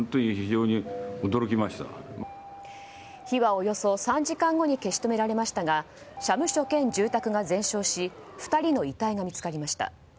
火はおよそ３時間後に消し止められましたが社務所兼住宅が全焼し２人の遺体が見つかりました。